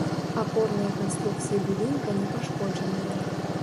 Апорныя канструкцыі будынка не пашкоджаныя.